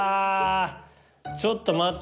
ちょっと待って。